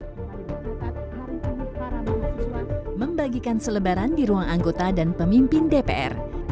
pada dua puluh empat hari para mahasiswa membagikan selebaran di ruang anggota dan pemimpin dpr